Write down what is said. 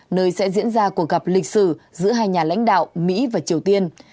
nơi sẽ diễn ra cuộc gặp lịch sử giữa hai nhà lãnh đạo mỹ và triều tiên